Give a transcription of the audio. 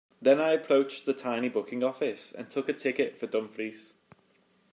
Then I approached the tiny booking-office and took a ticket for Dumfries.